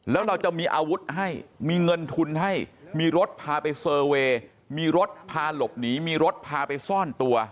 แล้วเราจะมีอาวุธให้มีเงินทุนให้มีรถพาไปเซอร์เวย์มีรถพาหลบหนีมีรถพาไปซ่อนตัว